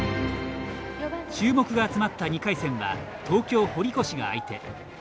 注目が集まった２回戦は東京・堀越が相手。